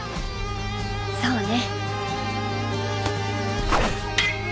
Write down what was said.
そうね。